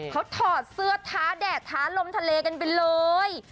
เขาถอดเสื้อท้าแดดท้าลมทะเลกันไปเลย